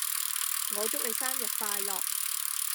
我祝你生日快樂